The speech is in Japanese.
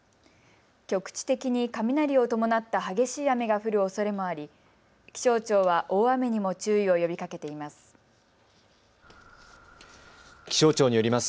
局地的に雷を伴った激しい雨が降るおそれもあり気象庁は大雨にも注意を呼びかけています。